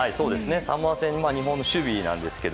サモア戦の日本の守備なんですが。